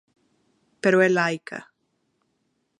Pero é laica.